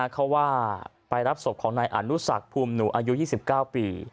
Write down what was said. เขาว่าไปรับศพของนายอนุสักภูมิหนูอายุ๒๙ปี